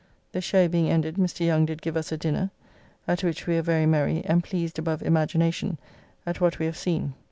The show being ended, Mr. Young did give us a dinner, at which we were very merry, and pleased above imagination at what we have seen.